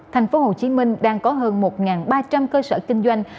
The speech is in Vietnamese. thành phố hồ chí minh đang có hơn một ba trăm linh cơ sở kinh doanh